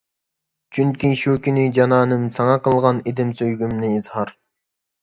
چۈنكى شۇ كۈن جانانىم ساڭا قىلغان ئىدىم سۆيگۈمنى ئىزھار.